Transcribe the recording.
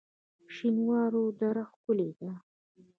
شینوارو دره ښکلې ده؟